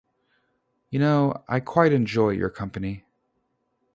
You know, I quite enjoy your company.